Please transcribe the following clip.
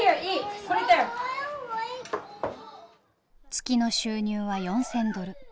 月の収入は４，０００ドル。